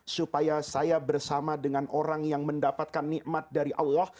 supaya saya bersama dengan orang yang mendapatkan nikmat dari allah